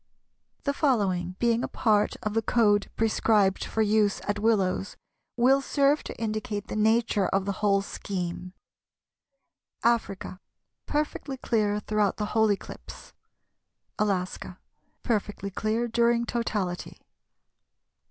The following, being a part of the code prescribed for use at Willows, will serve to indicate the nature of the whole scheme:— Africa, Perfectly clear throughout the whole eclipse. Alaska, Perfectly clear during totality.